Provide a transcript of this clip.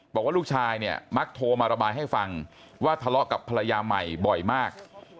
บอกว่าลูกชายเนี่ยมักโทรมาระบายให้ฟังว่าทะเลาะกับภรรยาใหม่บ่อยมาก